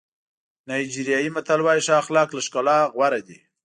نایجیریایي متل وایي ښه اخلاق له ښکلا غوره دي.